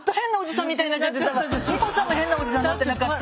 美穂さんも変なおじさんになってなかった？